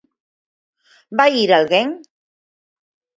Vai ir alguén?